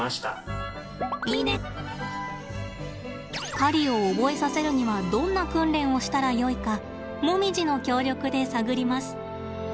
狩りを覚えさせるにはどんな訓練をしたらよいかもみじの協力で探ります。